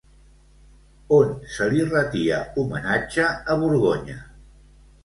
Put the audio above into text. On se li retia homenatge a Borgonya?